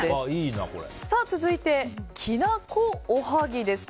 続いて、きなこおはぎです。